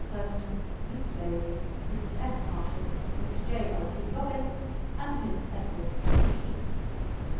Thurston, Mr. Bailey, Mrs. F. Marshall, Mr. J. L. T. Dobbin, and Miss Ethel McCheane.